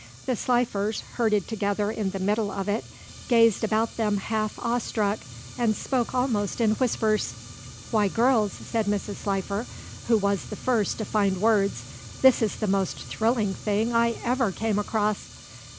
The Slifers, herded together in the middle of it, gazed about them half awe struck and spoke almost in whispers. "Why, girls," said Mrs. Slifer, who was the first to find words, "this is the most thrilling thing I ever came across."